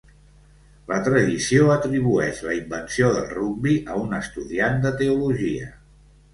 La tradició atribueix la invenció del rugbi a un estudiant de teologia.